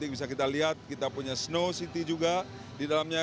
bisa kita lihat kita punya snow city juga di dalamnya